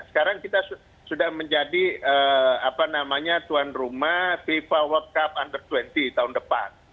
sekarang kita sudah menjadi tuan rumah fifa world cup under dua puluh tahun depan